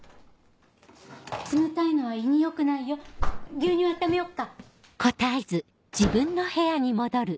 冷たいのは胃に良くないよ牛乳温めよっか？